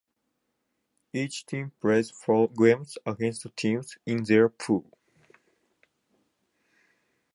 Each team plays four games against teams in their pool.